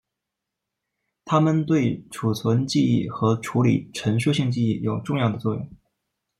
它们对储存记忆和处理陈述性记忆有重要的作用。